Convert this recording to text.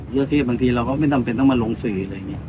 ยอดเครียดบางทีเราก็ไม่จำเป็นต้องมาลงสือเลย